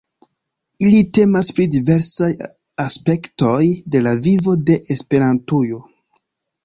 Ili temas pri diversaj aspektoj de la vivo de Esperantujo.